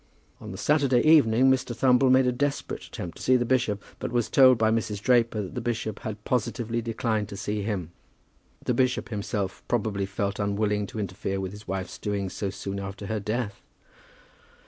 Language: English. On the Saturday evening Mr. Thumble made a desperate attempt to see the bishop, but was told by Mrs. Draper that the bishop had positively declined to see him. The bishop himself probably felt unwilling to interfere with his wife's doings so soon after her death!